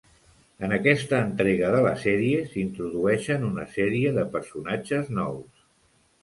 En aquesta entrega de la sèrie s'introdueixen una sèrie de personatges nous.